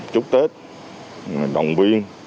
chúc tết đồng viên